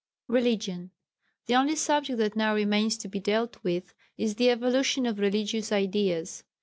Religion. The only subject that now remains to be dealt with is the evolution of religious ideas.